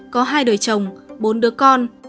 có hai đời chồng bốn đứa con